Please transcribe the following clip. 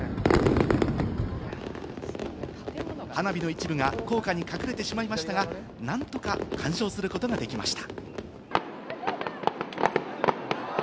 花火の一部が高架で隠れてしまいましたが、なんとか観賞することができました。